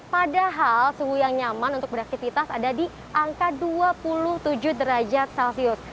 padahal suhu yang nyaman untuk beraktivitas ada di angka dua puluh tujuh derajat celcius